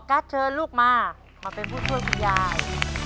ัสเชิญลูกมามาเป็นผู้ช่วยคุณยาย